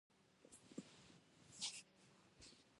ایا ستاسو بوټونه به راحت وي؟